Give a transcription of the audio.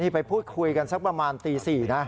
ไปพูดคุยกันสักประมาณตี๔นะ